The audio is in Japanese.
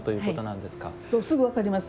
すぐ分かります？